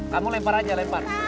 kamu lempar aja lempar